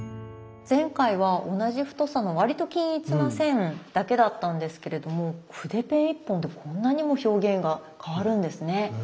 前回は同じ太さの割と均一な線だけだったんですけれども筆ペン一本でこんなにも表現が変わるんですね。